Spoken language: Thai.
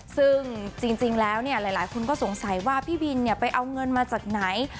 ซึ่งจริงแล้วหลายคนก็สงสัยว่าพี่บินไปเอาเงินมาจากไหน